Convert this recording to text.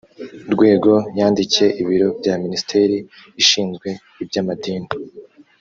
rwego yandikiye ibiro bya minisiteri ishinzwe iby amadini